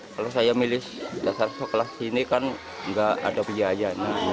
kalau saya milih dasar sekolah sini kan nggak ada biaya